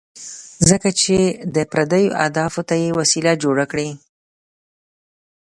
ځکه چې د پردو اهدافو ته یې وسیله جوړه کړې.